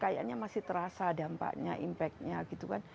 kayaknya masih terasa dampaknya impactnya gitu kan